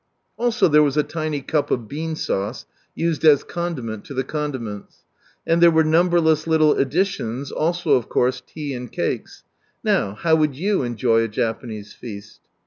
Also there was a tiny cup of bean sauce, used as condiment to the condiments. And there were numberless little additions, also of course tea and cakes, Now, how would you enjoy a Japanese Feast